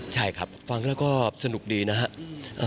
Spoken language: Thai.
ใช่ครับฟังแล้วก็สนุกดีนะครับ